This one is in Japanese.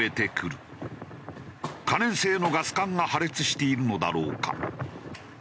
可燃性のガス缶が破裂しているのだろうか？